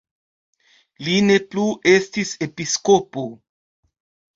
Li ne plu estis episkopo.